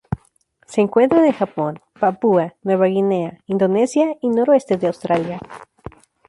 Se encuentra en el Japón, Papúa Nueva Guinea, Indonesia y noroeste de Australia.